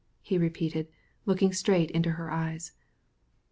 he repeated, looking straight into her eyes.